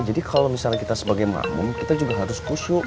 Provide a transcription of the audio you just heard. jadi kalau misalnya kita sebagai makmum kita juga harus kusyuk